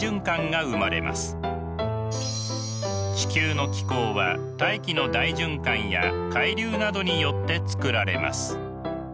地球の気候は大気の大循環や海流などによってつくられます。